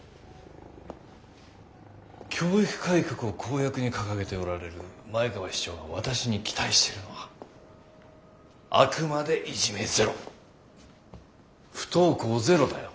教育改革を公約に掲げておられる前川市長が私に期待しているのはあくまでいじめゼロ不登校ゼロだよ。